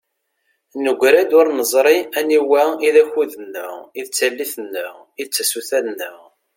Negra-d ur neẓri aniwa i d akud-nneɣ, i d tallit-nneɣ, i d tasuta-nneɣ.